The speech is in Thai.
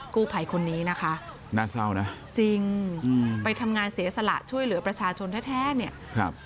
กู้ไผ่คนนี้นะคะจริงไปทำงานเสียสละช่วยเหลือประชาชนแท้เนี่ยครับ